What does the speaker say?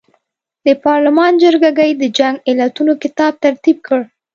د پارلمان جرګه ګۍ د جنګ علتونو کتاب ترتیب کړ.